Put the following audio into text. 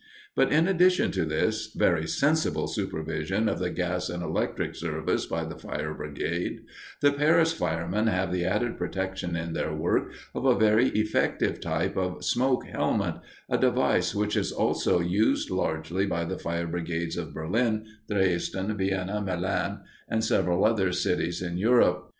But in addition to this very sensible supervision of the gas and electric service by the fire brigade, the Paris firemen have the added protection in their work of a very effective type of "smoke helmet," a device which is also used largely by the fire brigades of Berlin, Dresden, Vienna, Milan, and several other cities in Europe.